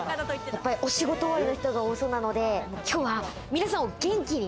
お仕事終わりの人が多そうなので、今日は皆さんを元気に。